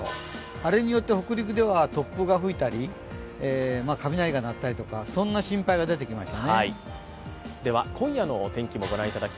あれによって北陸では突風が吹いたり、雷が鳴ったりそんな心配が出てきました。